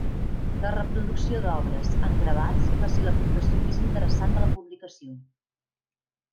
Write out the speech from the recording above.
La reproducció d'obres, en gravats, va ser l'aportació més interessant de la publicació.